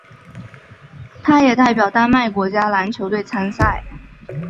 他也代表丹麦国家篮球队参赛。